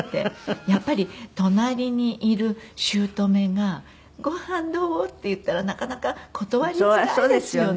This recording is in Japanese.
やっぱり隣にいる姑が「ご飯どう？」って言ったらなかなか断りづらいですよね。